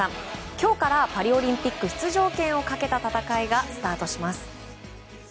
今日からパリオリンピック出場権をかけた戦いがスタートします。